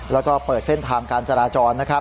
แล้วก็เปิดเส้นทำการจราจร